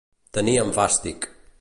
Tenir en fàstic.